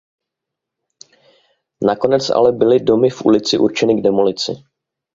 Nakonec ale byly domy v ulici určeny k demolici.